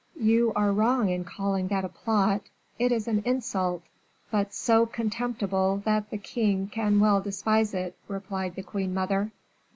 You are wrong in calling that a plot it is an insult." "But so contemptible that the king can well despise it," replied the queen mother.